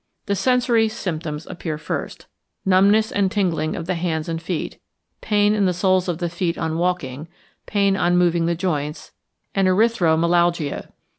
The sensory symptoms appear first: numbness and tingling of the hands and feet, pain in the soles of the feet on walking, pain on moving the joints, and erythromelalgia.